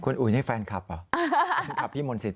คุณอุ๋ยนี่แฟนคลับเหรอแฟนคลับพี่มนสิท